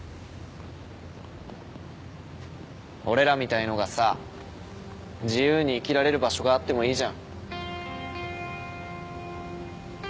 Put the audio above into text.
俺らみたいのがさ自由に生きられる場所があってもいいじゃん。